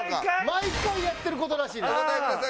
毎回やってる事らしいです。